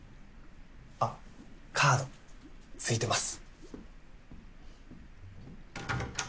あっカード付いてます。